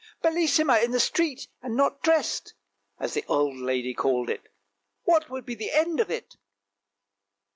" Bellissima in the street and not dressed! " as the old lady called it, " what would be the end of it?